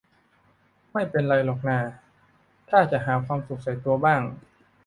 ไม่เป็นไรหรอกน่าถ้าจะหาความสุขใส่ตัวบ้าง